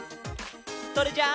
それじゃあ。